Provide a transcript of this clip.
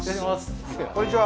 こんにちは。